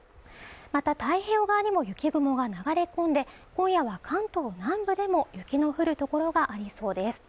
また太平洋側にも雪雲が流れ込んで今夜は関東南部でも雪の降る所がありそうです